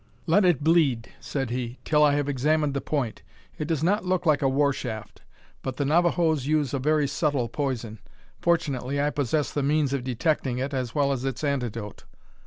"Let it bleed," said he, "till I have examined the point. It does not look like a war shaft; but the Navajoes use a very subtle poison. Fortunately I possess the means of detecting it, as well as its antidote."